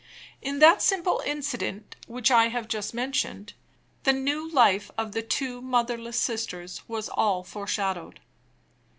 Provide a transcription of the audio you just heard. In that simple incident which I have just mentioned the new life of the two motherless sisters was all foreshadowed.